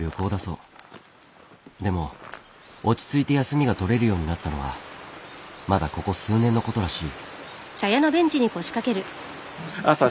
でも落ち着いて休みが取れるようになったのはまだここ数年のことらしい。